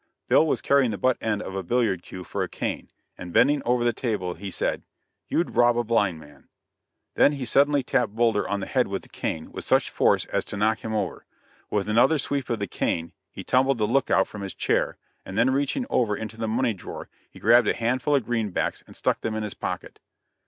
Bill was carrying the butt end of a billiard cue for a cane, and bending over the table, he said: "You'd rob a blind man." Then he suddenly tapped Boulder on the head with the cane, with such force as to knock him over. With another sweep of the cane he tumbled the "look out" from his chair, and then reaching over into the money drawer he grabbed a handful of greenbacks and stuck them in his pocket.